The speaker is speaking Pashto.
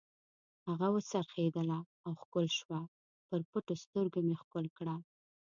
هغه و څرخېدله او ښکل شوه، پر پټو سترګو مې ښکل کړه.